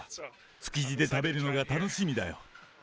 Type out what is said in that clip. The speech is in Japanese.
築地で食べるのが楽しみだよ。